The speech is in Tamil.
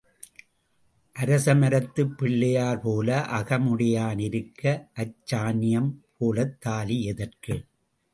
அரசமரத்துப் பிள்ளையார் போல அகமுடையான் இருக்க அச்சான்யம் போலத் தாலி எதற்கு?